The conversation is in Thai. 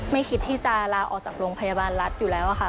ไม่คิดที่จะลาออกจากโรงพยาบาลรัฐอยู่แล้วค่ะ